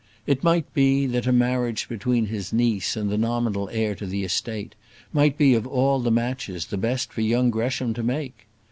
It might be, that a marriage between his niece and the nominal heir to the estate might be of all the matches the best for young Gresham to make.